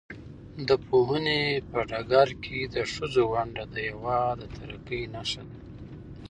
د پوهنې په ډګر کې د ښځو ونډه د هېواد د ترقۍ نښه ده.